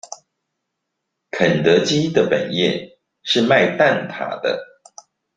肯德基的本業是賣蛋塔的